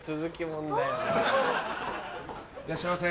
いらっしゃいませ。